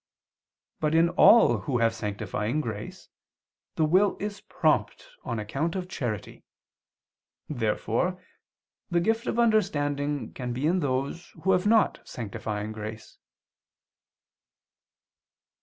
But in all who have sanctifying grace, the will is prompt on account of charity. Therefore the gift of understanding can be in those who have not sanctifying grace.